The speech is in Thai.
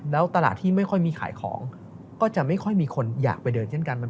แล้วตลาดที่ไม่ค่อยมีขายของก็จะไม่ค่อยมีคนอยากไปเดินเช่นกัน